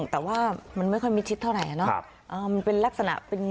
แต่ว่ามันไม่ค่อยมิดชิดเท่าไหร่เนอะมันเป็นลักษณะเป็น